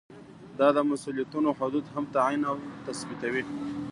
دا د مسؤلیتونو حدود هم تعین او تثبیتوي.